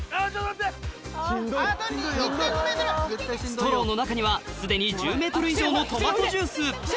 ストローの中にはすでに１０ｍ以上のトマトジュース